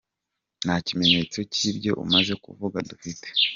Nta kimenyetso cy’ibyo umaze kuvuga dufite.